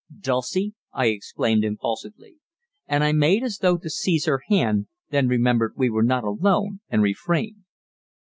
"Dulcie!" I exclaimed impulsively, and I made as though to seize her hand, then remembered we were not alone, and refrained.